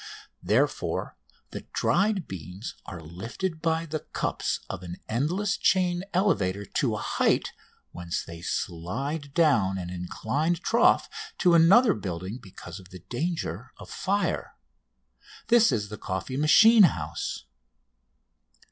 Therefore the dried beans are lifted by the cups of an endless chain elevator to a height, whence they slide down an inclined trough to another building because of the danger of fire. This is the coffee machine house.